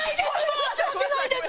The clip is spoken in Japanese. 申し訳ないです！